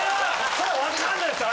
そら分かんないすよ！